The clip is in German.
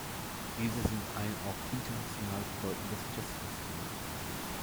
Diese sind ein auch international bedeutendes Jazz-Festival.